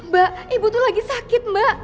mbak ibu tuh lagi sakit mbak